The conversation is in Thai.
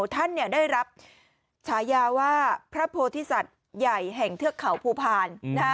ท่านได้รับฉายาว่าพระโพธิสัตว์ใหญ่แห่งเทือกเขาภูพาล